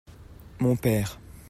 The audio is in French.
mont père.